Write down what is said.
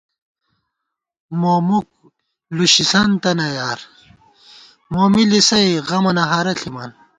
مو مُک لُشِنتَنہ یار، مو می لِسَئ غمَنہ ہارہ ݪِمان